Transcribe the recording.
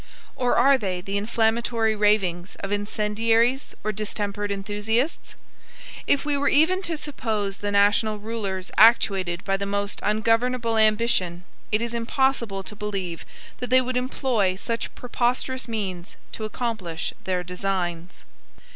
Or are they the inflammatory ravings of incendiaries or distempered enthusiasts? If we were even to suppose the national rulers actuated by the most ungovernable ambition, it is impossible to believe that they would employ such preposterous means to accomplish their designs.